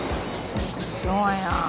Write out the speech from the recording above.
すごいなぁ。